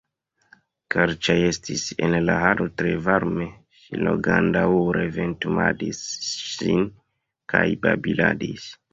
Kaj ĉar estis en la halo tre varme, ŝi longadaŭre ventumadis sin kaj babiladis.